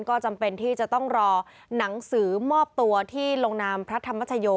ก็จำเป็นที่จะต้องรอหนังสือมอบตัวที่ลงนามพระธรรมชโย